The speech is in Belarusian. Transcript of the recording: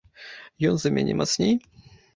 Ён за мяне мацней?